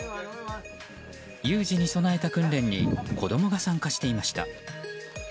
有事に備えた訓練に子供が参加していました。